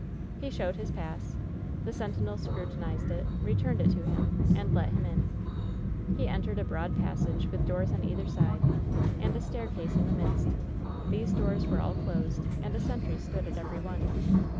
He showed his pass. The sentinel scrutinized it, re* turned it to him, and let him in. 9« WHEN SHADOWS DEE He entered a broad passage, with doors on either side, and a staircase in the midst. These doors were all closed, and a sentry stood at every one.